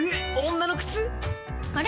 女の靴⁉あれ？